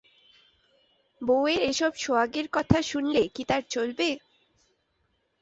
এটি ভারত সরকারের মহাসাগর উন্নয়ন বিভাগের অন্তর্গত একটি স্বশাসিত প্রতিষ্ঠান।